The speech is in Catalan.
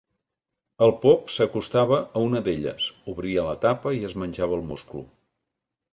El pop s'acostava a una d'elles, obria la tapa i es menjava el musclo.